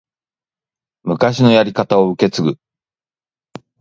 昔のやり方を受け継ぐ